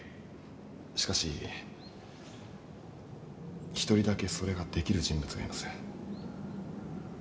しかし、１人だけそれをできる人物がいます。